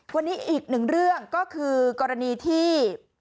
วันนี้อีกหนึ่งเรื่องก็คือกรณีที่